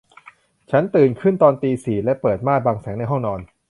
ฉันตื่นขึ้นตอนตีสี่และเปิดม่านบังแสงในห้องนอน